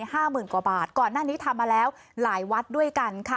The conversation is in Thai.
ห้าหมื่นกว่าบาทก่อนหน้านี้ทำมาแล้วหลายวัดด้วยกันค่ะ